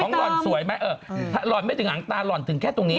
เอาไปต่อมันถ้าหล่อดไม่ถึงหวานตายหล่อดถึงแค่ตรงนี้